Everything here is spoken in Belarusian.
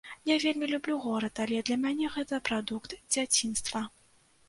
Я вельмі люблю горад, але для мяне гэта прадукт дзяцінства.